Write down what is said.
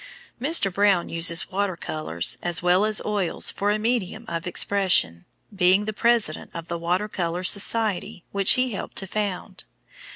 Mr. Brown uses water colors, as well as oils, for a medium of expression, being the president of the Water Color Society, which he helped to found.